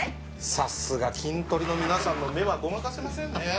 さすがキントリの皆さんの目はごまかせませんね。